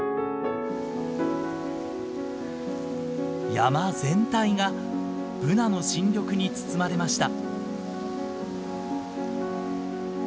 山全体がブナの新緑に包まれました。